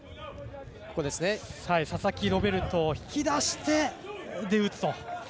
佐々木ロベルトを引き出して打つと。